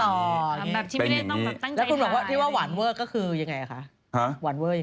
แล้วคุณบอกว่าวานเวอร์ก็คือยังไง